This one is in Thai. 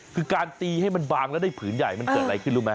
คือการตีให้มันบางแล้วได้ผืนใหญ่มันเกิดอะไรขึ้นรู้ไหม